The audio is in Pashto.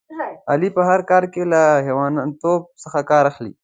علي په هر کار کې له حیوانتوب څخه کار اخلي.